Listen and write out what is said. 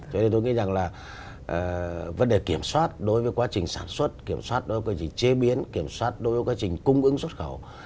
cho nên tôi nghĩ rằng là vấn đề kiểm soát đối với quá trình sản xuất kiểm soát đối với quá trình chế biến kiểm soát đối với quá trình cung ứng xuất khẩu